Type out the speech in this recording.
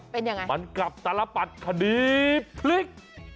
มันกลับตลปัดคดีพลิก